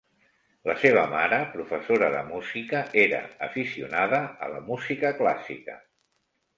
La seva mare, professora de música, era aficionada a la música clàssica.